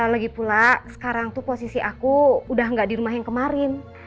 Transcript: lagi pula sekarang tuh posisi aku udah gak di rumah yang kemarin